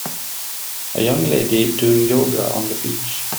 A young lady doing yoga on the beach.